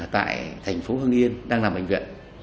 tại thành phố hưng yên đang làm bệnh viện